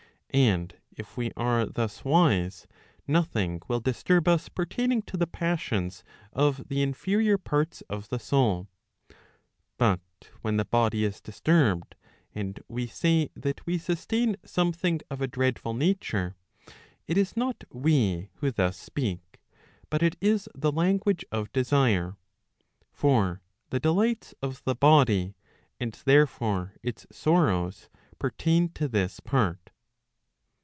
And if we are thus wise, nothing will disturb us pertaining to the passions of the inferior parts of the sou); but when the body is disturbed, and we say that we sustain something of a dreadful nature, it is not we who thus speak, but it is the language of desire; ' for the delights of the body, and therefore its sorrows pertain to this part.